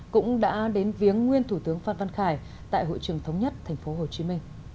cũng đã đến viếng nguyên thủ tướng phan văn khải tại hội trường thống nhất tp hcm